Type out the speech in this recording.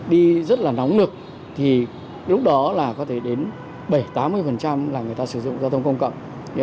đi rất là nóng nực thì lúc đó là có thể đến bảy mươi tám mươi là người ta sử dụng giao thông công cộng